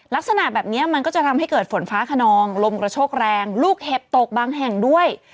ลักษณะแบบนี้มันก็จะทำให้เกิดฝนฟ้าขนองลมกระโชกแรงลูกเห็บตกบางแห่งด้วย